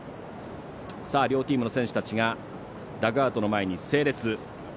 両チームの選手たちがダグアウトの前に整列。